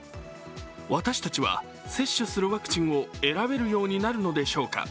私たちは、接種するワクチンを選べるようになるのでしょうか。